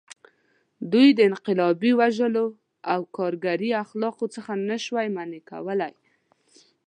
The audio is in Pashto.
دوی د انقلابي وژلو او کارګري اخلاقو څخه نه شوای منع کولی.